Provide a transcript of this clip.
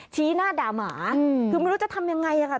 ชี้หน้าด่าหมาคือไม่รู้จะทำยังไงค่ะ